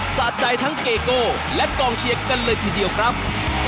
สะใจทั้งเกโก้และกองเชียร์กันเลยทีเดียวครับ